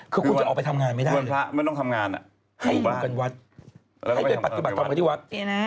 คือคุณจะออกไปทำงานไม่ได้เลยให้อยู่กันวัดให้ไปปฏิบัติธรรมกันที่วัด